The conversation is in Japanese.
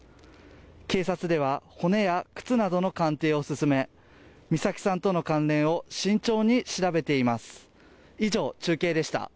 警察では骨や靴などの鑑定を進め美咲さんとの関連を慎重に調べています。